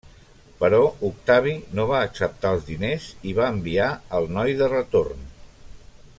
Però Octavi no va acceptar els diners i va enviar el noi de retorn.